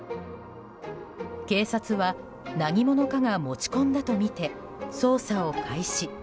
警察は何者かが持ち込んだとみて捜査を開始。